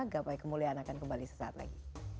gapai kemuliaan akan kembali sesaat lagi